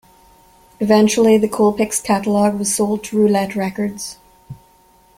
Eventually, the Colpix catalog was sold to Roulette Records.